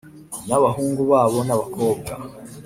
n abahungu babo n abakobwa